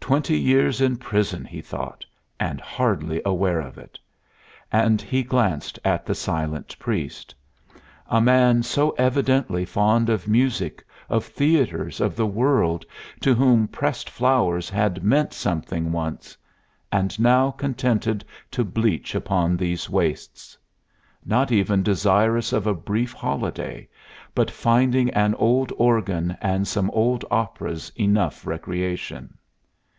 Twenty years in prison, he thought, and hardly aware of it! And he glanced at the silent priest. A man so evidently fond of music, of theaters, of the world, to whom pressed flowers had meant something once and now contented to bleach upon these wastes! Not even desirous of a brief holiday, but finding an old organ and some old operas enough recreation!